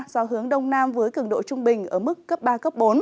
do hướng đông nam với cường độ trung bình ở mức cấp ba bốn